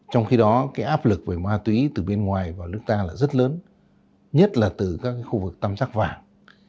trong khi đó áp lực về ma túy từ bên ngoài vào nước ta rất lớn nhất là từ các khu vực tăm chắc vàng